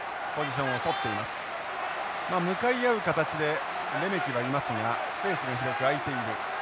まあ向かい合う形でレメキはいますがスペースが広く空いている。